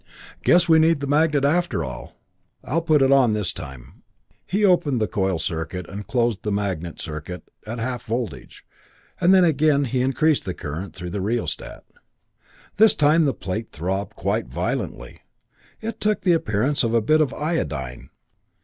"Guess we need the magnet after all; I'll put it on this time." He opened the coil circuit and closed the magnet circuit at half voltage, then again he increased the current through the rheostat. This time the plate throbbed quite violently, it took the appearance of a bit of iodine.